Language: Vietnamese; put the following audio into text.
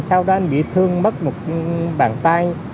sau đó anh bị thương mất một bàn tay